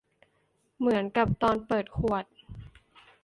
เหมือนกับตอนเปิดขวด